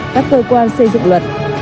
các cơ quan xây dựng luật